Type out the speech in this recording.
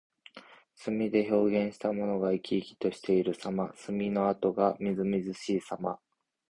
墨で表現したものが生き生きしているさま。墨の跡がみずみずしいさま。